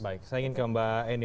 baik saya ingin ke mbak eni